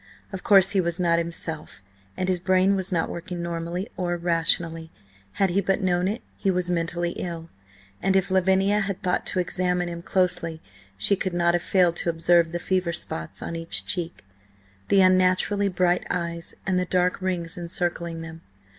Of course he was not himself, and his brain was not working normally or rationally; had he but known it, he was mentally ill, and if Lavinia had thought to examine him closely she could not have failed to observe the fever spots on each cheek, the unnaturally bright eyes and the dark rings encircling them.